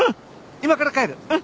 今から帰るうん！